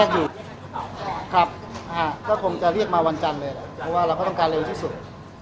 ก็คงจะเรียกมาวันจันทร์เลยเพราะเราก็ต้องการเน้นที่สุด